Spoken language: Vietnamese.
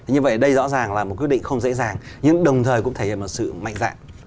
như vậy đây rõ ràng là một quyết định không dễ dàng nhưng đồng thời cũng thể hiện một sự mạnh dạng